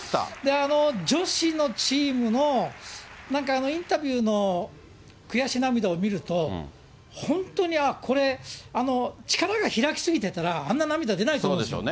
女子のチームのなんかインタビューの悔し涙を見ると、本当に、ああ、これ、力が開き過ぎてたら、あんな涙出ないと思うんですよ。